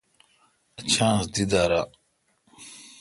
اؘ چانس دی درا۔